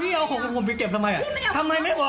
พี่ทำไมต้องรับผิดชอบพี่กลัวกินมันเดือนเท้าอ่ะ